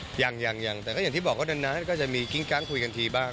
ถ้าว่างก็ได้สิ